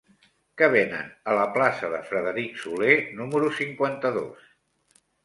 Què venen a la plaça de Frederic Soler número cinquanta-dos?